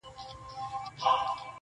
مُلا او ډاکټر دواړو دي دامونه ورته ایښي،